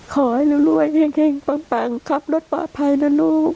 ขอให้ร่วยเห็งตามขับรถปลอบภัยนะลูก